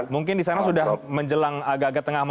mungkin di sana sudah menjelang agak agak tengah malam